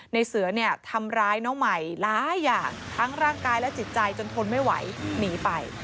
ในเสือเนี่ยทำร้ายน้องใหม่หลายอย่างทั้งร่างกายและจิตใจจนทนไม่ไหวหนีไป